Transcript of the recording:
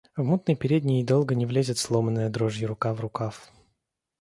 В мутной передней долго не влезет сломанная дрожью рука в рукав.